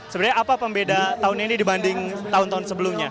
sebenarnya apa pembeda tahun ini dibanding tahun tahun sebelumnya